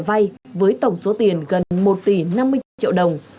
vai với tổng số tiền gần một tỷ năm mươi triệu đồng